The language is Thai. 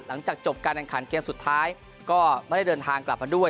หลังจากจบการแข่งขันเกมสุดท้ายก็ไม่ได้เดินทางกลับมาด้วย